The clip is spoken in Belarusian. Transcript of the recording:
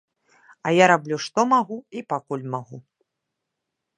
А я раблю што магу і пакуль магу.